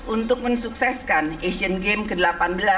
untuk mensukseskan asian games ke delapan belas